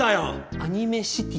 アニメシティ！？